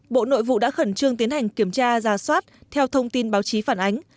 bộ nội vụ đã khẩn trương tiến hành kiểm tra giả soát theo thông tin báo chí phản ánh